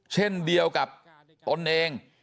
เช่นเดียวกับตนเอง